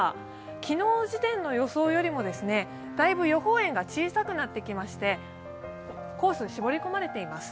昨日時点の予想よりもだいぶ予報円が小さくなってきましてコースが絞り込まれています。